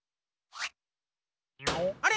あれ？